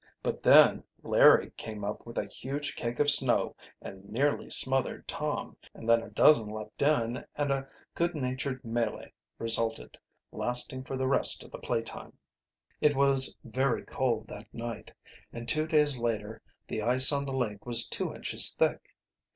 But then Larry came up with a huge cake of snow and nearly smothered Tom, and then a dozen leaped in, and a good natured melee resulted, lasting for the rest of the playtime. It was very cold that night, and two days later the ice on the lake was two inches thick.